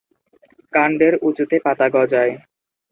কাণ্ডের উঁচুতে পাতা গজায়।